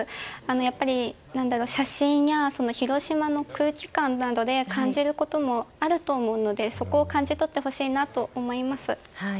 やっぱり写真や広島の空気感などで感じることもあると思うのでそこを感じ取ってほしいなと思います。